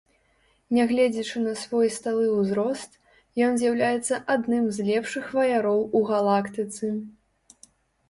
Нягледзячы на свой сталы ўзрост, ён з'яўляецца адным з лепшых ваяроў у галактыцы.